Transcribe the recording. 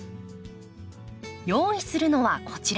用意するのはこちら。